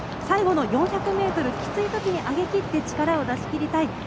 最後の４００ｍきついときに上げていって力を出しきりたい。